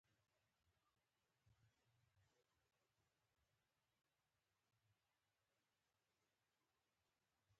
بنده راشه د خدای خپل شه، لکه په ځان یې داسې په بل شه